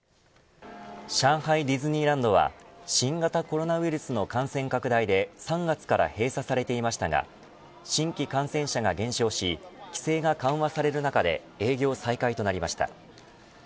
上海ディズニーランドは新型コロナウイルスの感染拡大で３月から閉鎖されていましたが新規感染者が減少し規制が緩和される中で営業再開となりました。